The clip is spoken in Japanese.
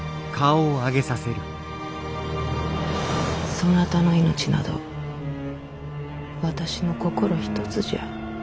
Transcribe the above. そなたの命など私の心ひとつじゃ。